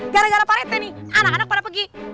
gara gara pak rete nih anak anak pada pergi